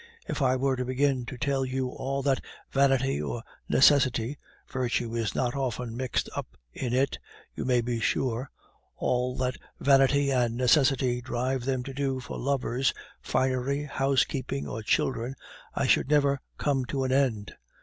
If I were to begin to tell you all that vanity or necessity (virtue is not often mixed up in it, you may be sure), all that vanity and necessity drive them to do for lovers, finery, housekeeping, or children, I should never come to an end.